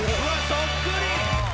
そっくり。